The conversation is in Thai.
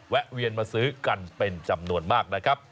แวนมาซื้อกันเป็นจำนวนมากนะครับ